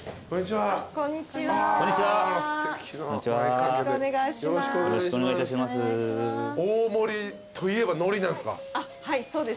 よろしくお願いします。